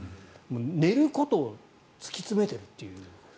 寝ることを突き詰めているという。